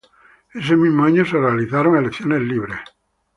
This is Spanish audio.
Ese mismo año se realizaron elecciones libres.